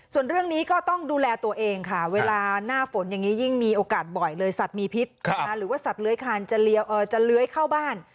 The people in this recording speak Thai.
ส่วนเรื่องนี้ก็ต้องดูแลตัวเองค่ะเวลาหน้าฝนอย่างนี้ยิ่งมีโอกาสบ่อยเลยสัตว์มีพิษหรือว่าสัตว์เลื้อยคานจะเลื้อยเข้าบ้าน